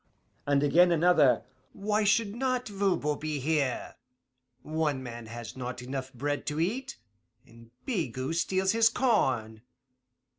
And again, another, 'Why should not Voban be here? One man has not enough bread to eat, and Bigot steals his corn.